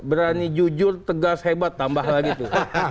berani jujur tegas hebat tambah lagi tuh